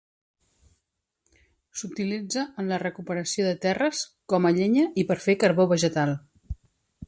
S'utilitza en la recuperació de terres, com a llenya i per fer carbó vegetal.